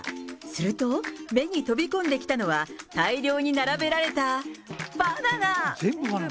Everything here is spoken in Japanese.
すると、目に飛び込んできたのは、大量に並べられたバナナ。